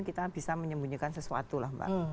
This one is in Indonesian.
kita bisa menyembunyikan sesuatu lah mbak